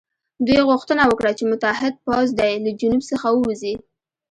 دوی غوښتنه وکړه چې متحد پوځ دې له جنوب څخه ووځي.